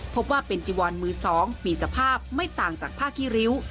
พบว่าเป็นจีวอนมือ๒มีสภาพไม่ต่างจากผ้าขี้ริ้ว